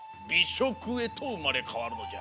しょくへとうまれかわるのじゃ。